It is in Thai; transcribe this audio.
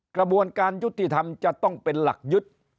กระบวนการยุติธรรมจะต้องเป็นหลักยึด